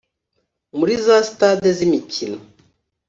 muri za sitade z’imikino